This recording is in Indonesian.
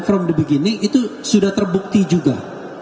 from the begini itu sudah terbukti juga